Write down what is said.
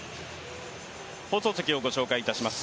放送席を御紹介いたします。